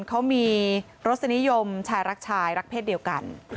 เขามีรสนิยมชายรักชายรักเศษเดียวกัน